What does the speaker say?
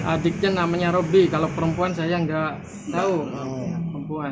adiknya namanya roby kalau perempuan saya nggak tahu perempuan